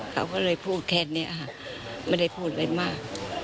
เขาก็เลยพูดแค่นี้ค่ะไม่ได้พูดอะไรมาก